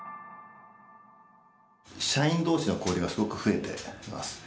社員同士の交流がすごく増えてます。